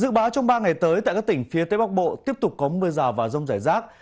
dự báo trong ba ngày tới tại các tỉnh phía tây bắc bộ tiếp tục có mưa rào và rông rải rác